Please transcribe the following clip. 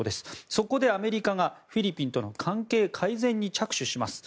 そこでアメリカがフィリピンとの関係改善に着手します。